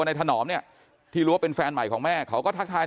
ถนอมเนี่ยที่รู้ว่าเป็นแฟนใหม่ของแม่เขาก็ทักทาย